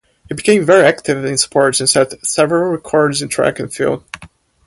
He became very active in sports and set several records in track and field.